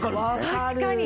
確かに。